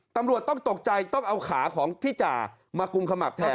ตำรวจต้องตกใจต้องเอาขาของพี่จ่ามากุมขมับแทน